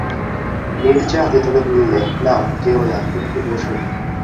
নীরজা হাতে ধরে বললে, না, যেয়ো না, একটু বোসো।